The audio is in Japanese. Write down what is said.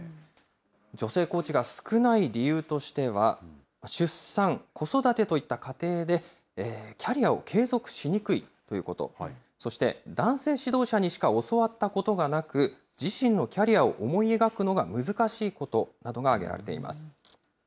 女性コーチが少ない理由としては、出産、子育てといった過程で、キャリアを継続しにくいということ、そして男性指導者にしか教わったことがなく、自身のキャリアを思い描くのが難しいことなどが挙げられています。